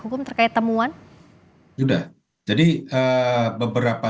hukum terkait temuan sudah jadi beberapa